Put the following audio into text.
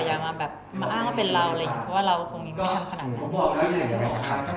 อย่ามาอ้างว่าเป็นเราเพราะว่าเราคงยังไม่ทำขนาดนั้น